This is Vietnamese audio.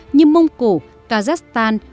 như mông cổ kazakhstan